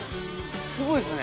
すごいですね。